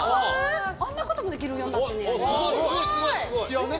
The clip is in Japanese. あんなこともできるんや。